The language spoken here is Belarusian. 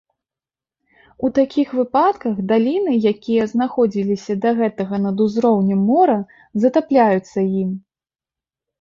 У такіх выпадках, даліны, якія знаходзіліся да гэтага над узроўнем мора, затапляюцца ім.